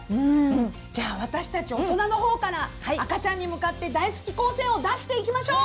じゃあ私たち大人の方から赤ちゃんに向かって大好き光線を出していきましょう！